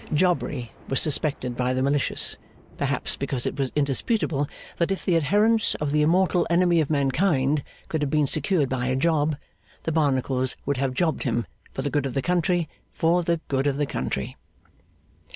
Jobbery was suspected by the malicious; perhaps because it was indisputable that if the adherence of the immortal Enemy of Mankind could have been secured by a job, the Barnacles would have jobbed him for the good of the country, for the good of the country.